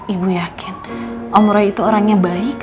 ibu yakin om roy itu orang yang baik